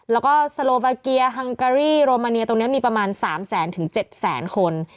แล้วก็สโลบาเกียฮังการีโรมาเนียตรงนี้มีประมาณ๓แสนถึง๗แสนคน